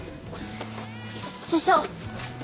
師匠。